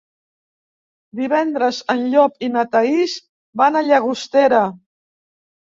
Divendres en Llop i na Thaís van a Llagostera.